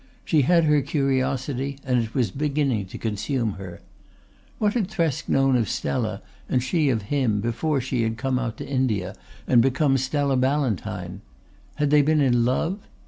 She had her curiosity and it was beginning to consume her. What had Thresk known of Stella and she of him before she had come out to India and become Stella Ballantyne? Had they been in love?